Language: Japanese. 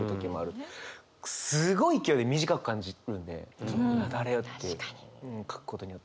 すごい勢いで短く感じるんで雪崩って書くことによって。